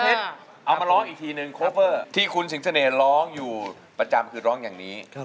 เอามาร้องอีกทีนึงโคเฟอร์ที่คุณสิงเสน่ห์ร้องอยู่ประจำคือร้องอย่างนี้